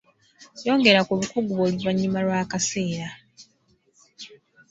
Yongera ku bukugu bwo oluvannyuma lw'akaseera.